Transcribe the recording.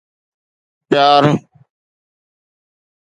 پيار